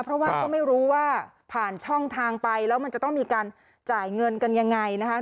เพราะว่าก็ไม่รู้ว่าผ่านช่องทางไปแล้วมันจะต้องมีการจ่ายเงินกันยังไงนะคะ